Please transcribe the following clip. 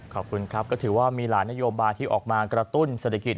ขอบคุณครับก็ถือว่ามีหลายนโยบายที่ออกมากระตุ้นเศรษฐกิจ